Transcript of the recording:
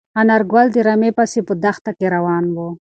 انارګل د رمې پسې په دښته کې روان و.